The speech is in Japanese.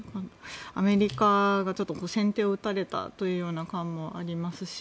アメリカがちょっと先手を打たれたというような感もありますし